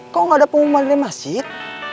kok gak ada pengumuman dari masjid